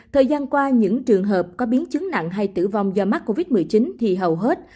thời gian qua những trường hợp có biến chứng nặng hay tử vong do mắc covid một mươi chín thì hầu hết